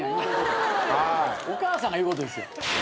お母さんが言うことですよ。